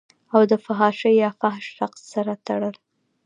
او دفحاشۍ يا فحش رقص سره تړل